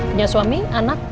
punya suami anak